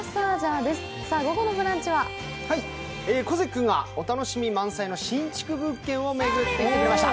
小関君がお楽しみ満載の新築物件を巡ってくれました。